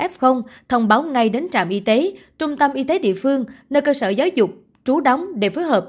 f thông báo ngay đến trạm y tế trung tâm y tế địa phương nơi cơ sở giáo dục trú đóng để phối hợp